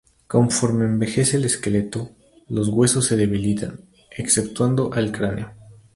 Conforme envejece el esqueleto, los huesos se debilitan, exceptuando al cráneo.